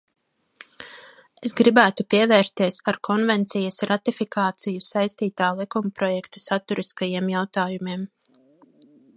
Es gribētu pievērsties ar konvencijas ratifikāciju saistītā likumprojekta saturiskajiem jautājumiem.